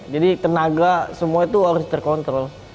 jadi tenaga semua itu harus terkontrol